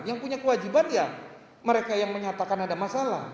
yang punya kewajiban ya mereka yang menyatakan ada masalah